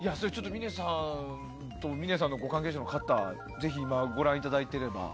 峰さんと峰さんのご関係者の方ぜひ今、ご覧いただいてたら。